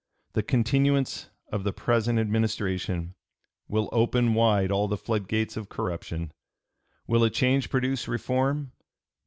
The continuance of the present Administration ... will open wide all the flood gates of corruption. Will a change produce reform?